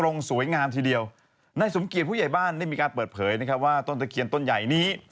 ในสมเกียจผู้ใหญ่บ้านได้มีการเปิดเผยว่าต้นตะเคียนต้นใหญ่นี้